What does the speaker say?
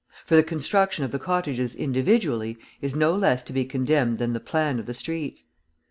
For the construction of the cottages individually is no less to be condemned than the plan of the streets.